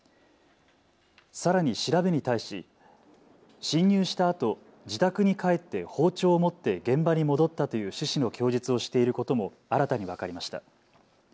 さらに調べに対し侵入したあと自宅に帰って包丁を持って現場に戻ったという趣旨の供述をしていることも新たに分かりました。